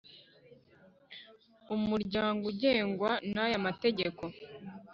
Umuryango ugengwa n aya mategeko